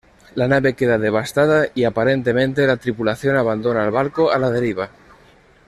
La nave queda devastada y aparentemente la tripulación abandona el barco a la deriva.